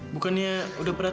bukannya udah berarti